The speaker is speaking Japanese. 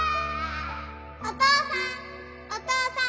お父さん。